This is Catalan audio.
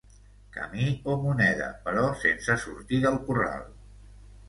Camí o moneda, però sense sortir del corral.